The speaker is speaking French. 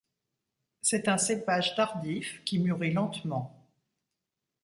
C'est un cépage tardif, qui mûrit lentement.